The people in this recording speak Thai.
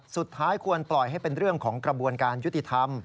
ควรปล่อยให้เป็นเรื่องของกระบวนการยุติธรรม